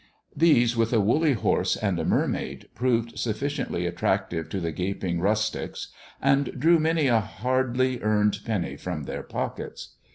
These, with a woolly horse and a mermaid, proved suffi ciently attractive to the gaping rustics, and drew many a hardly earned penny from their pockets.